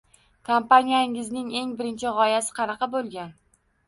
Kompaniyangizning eng birinchi gʻoyasi qanaqa boʻlgan.